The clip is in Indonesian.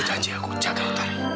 itu janji aku jaga utari